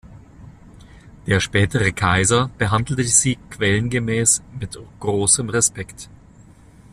Der spätere Kaiser behandelte sie Quellen gemäß mit großem Respekt.